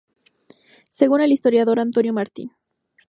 Según el historiador Antonio Martín,